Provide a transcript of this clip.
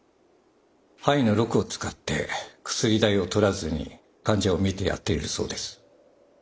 藩医の禄を使って薬代を取らずに患者を診てやっているそうです。